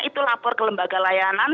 itu lapor ke lembaga layanan